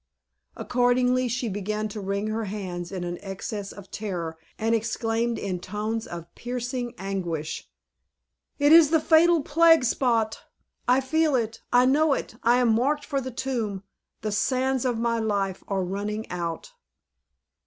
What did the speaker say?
Accordingly she began to wring her hands in an excess of terror, and exclaimed in tones of piercing anguish, "It is the fatal plague spot! I feel it; I know it! I am marked for the tomb. The sands of my life are fast running out!"